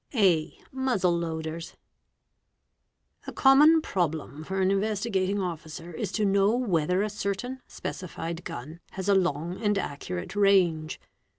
a. Muzzle loaders. A common problem for an Investigating Officer is to. know whether a certain specified gun has a long and accurate range.